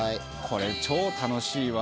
これ超楽しいわ。